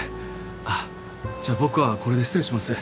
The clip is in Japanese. あっじゃあ僕はこれで失礼します。